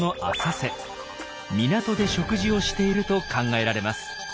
港で食事をしていると考えられます。